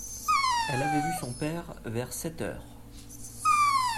Elle avait vu son père vers les sept heures.